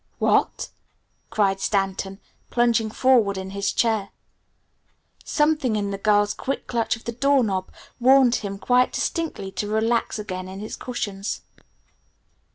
"What?" cried Stanton, plunging forward in his chair. Something in the girl's quick clutch of the door knob warned him quite distinctly to relax again into his cushions.